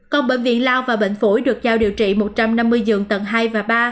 còn bệnh viện lao và bệnh phủi được giao điều trị một trăm năm mươi dường tầng hai và ba